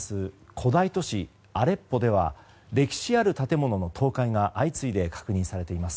古代都市アレッポでは歴史ある建物の倒壊が相次いで確認されています。